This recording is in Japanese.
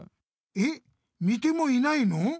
えっ見てもいないの？